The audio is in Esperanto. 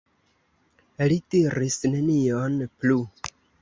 Li diris nenion plu.